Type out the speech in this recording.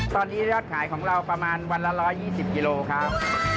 ตอนนี้ยอดขายของเราประมาณวันละ๑๒๐กิโลครับ